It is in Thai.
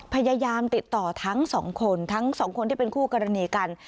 พยายามติดต่อทั้งสองคนทั้งสองคนที่เป็นคู่กรณีกัน